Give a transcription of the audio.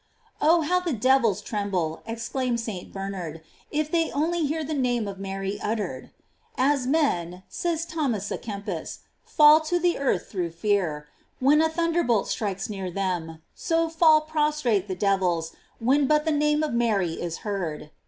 | Oh, how the devils tremble, exclaims St. Ber nard, if they only hear the name of Mary utter ed !§ As men, says Thomas a Kempis, fall to the earth through fear, when a thunderbolt strikes near them, so fall prostrate the devils when but the name of Mary is heard.